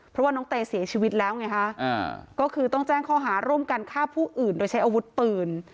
เพราะว่าน้องเตเสียชีวิตแล้วไงฮะก็คือต้องแจ้งข้อหาร่วมกันฆ่าผู้อื่นโดยใช้อาวุธปืน